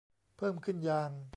เพิ่มขึ้นอย่าง